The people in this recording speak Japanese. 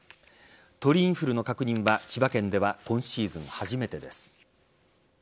鳥インフルの確認は千葉県では今シーズン初めてです。